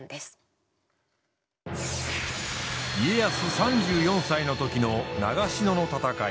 ３４歳の時の長篠の戦い。